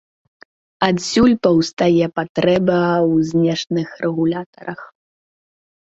Адсюль паўстае патрэба ў знешніх рэгулятарах.